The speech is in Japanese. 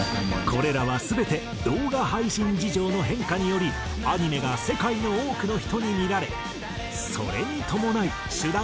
これらは全て動画配信事情の変化によりアニメが世界の多くの人に見られそれに伴い主題歌も人気になったという。